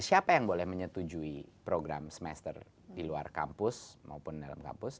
siapa yang boleh menyetujui program semester di luar kampus maupun dalam kampus